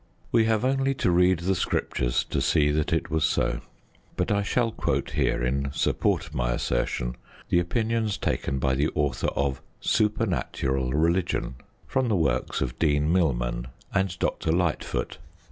We have only to read the Scriptures to see that it was so. But I shall quote here, in support of my assertion, the opinions taken by the author of Supernatural Religion from the works of Dean Milman and Dr. Lightfoot.